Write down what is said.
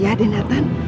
ya din natan